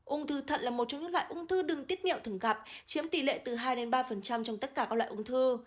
ung thư thận là một trong những loại ung thư đừng tiết niệm thường gặp chiếm tỷ lệ từ hai ba trong tất cả các loại ung thư